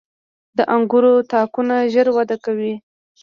• د انګورو تاکونه ژر وده کوي.